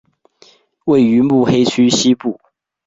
位于目黑区西部。